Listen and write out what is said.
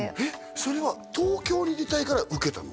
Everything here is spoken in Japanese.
それは東京に出たいから受けたの？